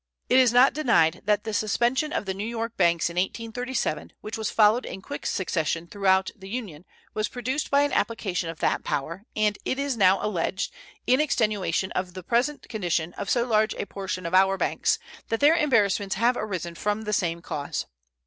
It is not denied that the suspension of the New York banks in 1837, which was followed in quick succession throughout the Union, was produced by an application of that power, and it is now alleged, in extenuation of the present condition of so large a portion of our banks, that their embarrassments have arisen from the same cause.